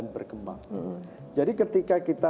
berkembang jadi ketika kita